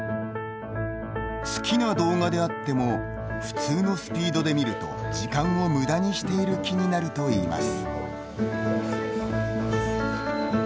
好きな動画であっても普通のスピードで見ると時間を無駄にしている気になるといいます。